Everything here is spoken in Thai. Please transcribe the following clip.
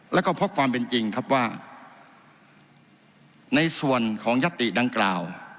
แล้วก็เพราะความเป็นจริงครับว่าในส่วนของยัตติดังกล่าว